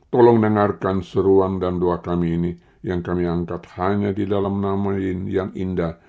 tolong dengarkan seruang dan doa kami ini yang kami angkat hanya di dalam nama yang indah